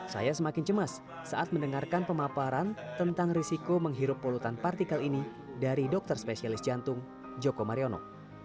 saya semakin cemas saat mendengarkan pemaparan tentang risiko menghirup polutan partikel ini dari dokter spesialis jantung joko mariono